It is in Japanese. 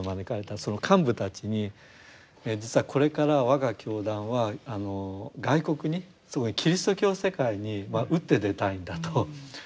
その幹部たちにえ実はこれから我が教団は外国にすごいキリスト教世界に打って出たいんだと。